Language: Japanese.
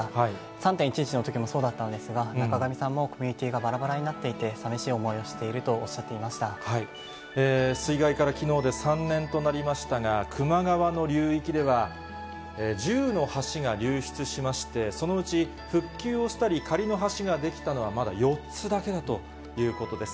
３・１１のときもそうだったんですが、中神さんもコミュニティがばらばらになっていて、さみしい思いを水害からきのうで３年となりましたが、球磨川の流域では、１０の橋が流失しまして、そのうち、復旧をしたり、仮の橋が出来たのはまだ４つだけだということです。